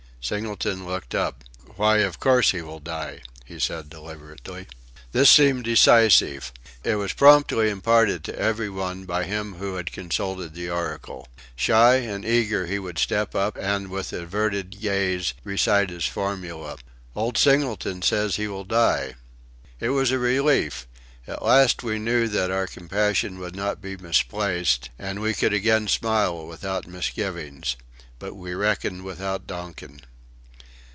Singleton looked up. "Why, of course he will die," he said deliberately. This seemed decisive. It was promptly imparted to every one by him who had consulted the oracle. Shy and eager, he would step up and with averted gaze recite his formula: "Old Singleton says he will die." It was a relief! At last we knew that our compassion would not be misplaced, and we could again smile without misgivings but we reckoned without Donkin.